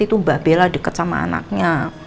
itu mbak bella deket sama anaknya